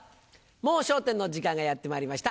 『もう笑点』の時間がやってまいりました。